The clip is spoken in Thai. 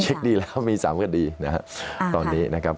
เช็คดีแล้วมี๓คดีนะครับ